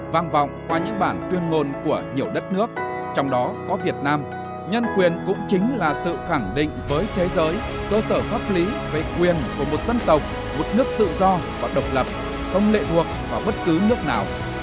vang vọng qua những bản tuyên ngôn của nhiều đất nước trong đó có việt nam nhân quyền cũng chính là sự khẳng định với thế giới cơ sở pháp lý về quyền của một dân tộc một nước tự do và độc lập không lệ thuộc vào bất cứ nước nào